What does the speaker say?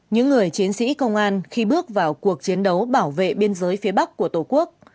những người chiến sĩ công an khi bước vào cuộc chiến đấu bảo vệ biên giới phía bắc của tổ quốc